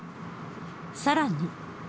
さらに。